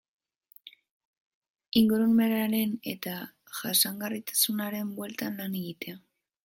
Ingurumenaren eta jasangarritasunaren bueltan lan egitea.